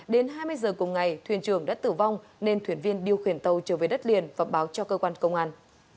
đến hai mươi giờ cùng ngày thuyền trường đã tử vong nên thuyền viên điều khiển tàu trở về đất liền và báo cho cơ quan công an